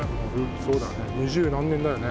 そうだね、二十何年だよね。